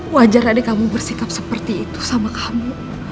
wajar adik kamu bersikap seperti itu sama kamu